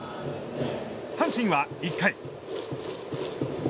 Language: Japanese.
阪神は１回。